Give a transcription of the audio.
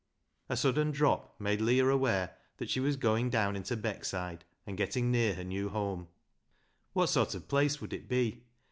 A sudden drop made Leah aware that she was going down into Beckside and getting near her new home. I04 BECKSIDE LIGHTS What sort of place would it be